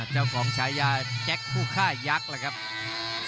เจ้าของชายาแจ๊คผู้ฆ่ายักษ์